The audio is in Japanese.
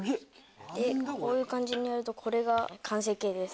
こういう感じにやるとこれが完成形です。